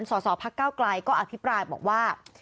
สสพักเก้าไกลก็อภิปรายบอกว่า